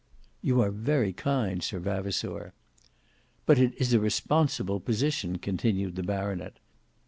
"You are very kind, Sir Vavasour." "But it is a responsible position," continued the baronet.